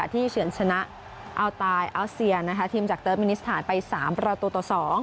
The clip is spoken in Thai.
เฉินชนะอัลตายอาเซียนทีมจากเติร์กมินิสถานไป๓ประตูต่อ๒